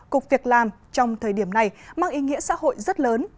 cục việc làm trong thời điểm này mang ý nghĩa xã hội rất lớn